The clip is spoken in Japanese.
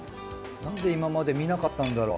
なんで今まで見なかったんだろう。